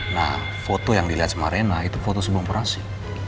nah foto yang dilihat sama rena itu foto sebelum operasi